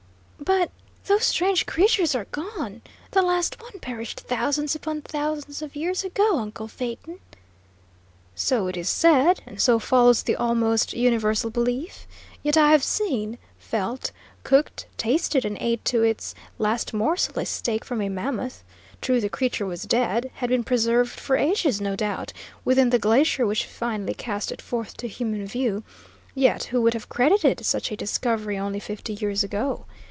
"But, those strange creatures are gone; the last one perished thousands upon thousands of years ago, uncle Phaeton." "So it is said, and so follows the almost universal belief. Yet I have seen, felt, cooked, tasted, and ate to its last morsel a steak from a mammoth. True, the creature was dead; had been preserved for ages, no doubt, within the glacier which finally cast it forth to human view; yet who would have credited such a discovery, only fifty years ago?